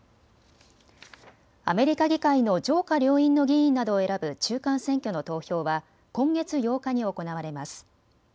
アメリカ議会の上下両院の議員などを選ぶ中間選挙の投票は今月８日に行われます。